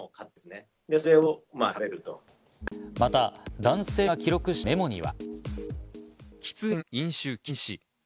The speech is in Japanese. また男性が記録したメモには。